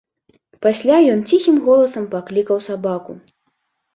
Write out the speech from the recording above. Пасля ён ціхім голасам паклікаў сабаку.